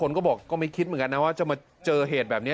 ก็บอกก็ไม่คิดเหมือนกันนะว่าจะมาเจอเหตุแบบนี้